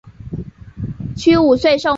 屈武遂受命。